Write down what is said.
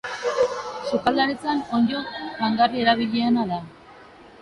Sukaldaritzan onddo jangarri erabiliena da.